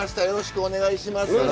よろしくお願いします。